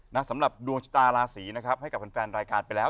สำหรับดวงชะตาราศีนะครับให้กับแฟนรายการไปแล้ว